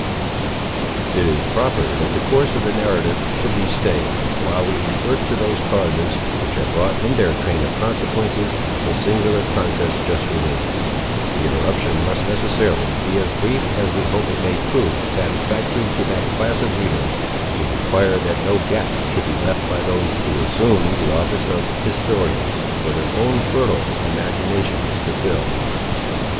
It is proper that the course of the narrative should be stayed, while we revert to those causes, which have brought in their train of consequences, the singular contest just related. The interruption must necessarily be as brief as we hope it may prove satisfactory to that class of readers, who require that no gap should be left by those who assume the office of historians, for their own fertile imaginations to fill.